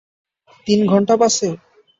তিন ঘন্টা বাসে?